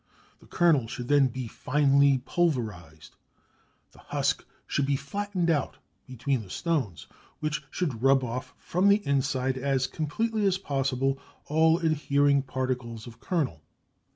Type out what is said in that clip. The kernel should then be finely pulverised. The husk should be flattened out between the stones, which should rub off from the inside as completely as possible all adhering particles of kernel.